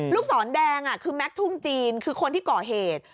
ศรแดงคือแม็กซุ่มจีนคือคนที่ก่อเหตุ